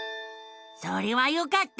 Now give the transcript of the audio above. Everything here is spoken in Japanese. それはよかった！